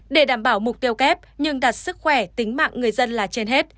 để đảm bảo mục tiêu kép nhưng đặt sức khỏe tính mạng người dân là trên hết